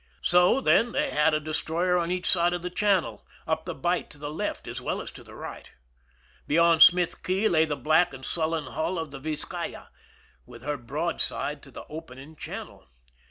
So, then, they had a de stroyer on each side of the channel, up the bight to the left as well as to the right ! Beyond Smith Cay lay the black and sullen hull of the Vwcaya^ with her broadside to the opening channel.